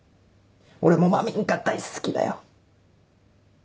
俺もまみんが大好きだよ！